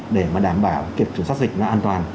để đảm bảo kiểm chống dịch an toàn